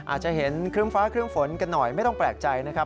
อาจจะเห็นครึ้มฟ้าครึ่มฝนกันหน่อยไม่ต้องแปลกใจนะครับ